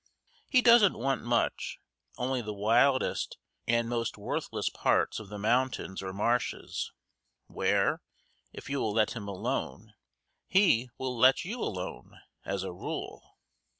He doesn't want much, only the wildest and most worthless parts of the mountains or marshes, where, if you will let him alone, he will let you alone, as a rule.